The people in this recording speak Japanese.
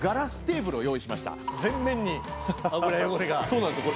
そうなんですよ。